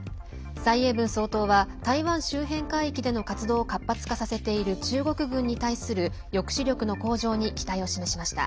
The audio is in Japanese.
蔡英文総統は台湾周辺海域での活動を活発化させている中国軍に対する抑止力の向上に期待を示しました。